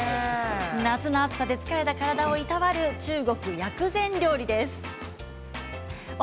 夏の暑さで疲れた体をいたわる中国薬膳料理です。